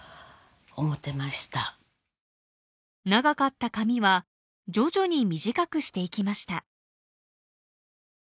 長かった髪は徐々に短くしていきました。